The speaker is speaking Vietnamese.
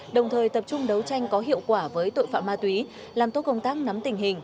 đồng thời tập trung đấu tranh có hiệu quả với tội phạm ma túy làm tốt công tác nắm tình hình